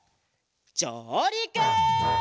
じょうりく！